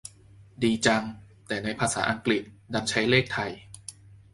ดีจัง แต่ในภาษาอังกฤษดันใช้เลขไทย